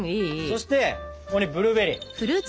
そしてここにブルーベリー。